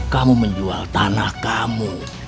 kamu menjual tanah kamu